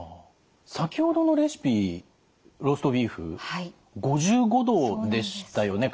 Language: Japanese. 先ほどのレシピローストビーフ５５℃でしたよね